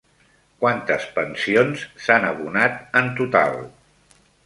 Quantes pensions s'han abonat en total?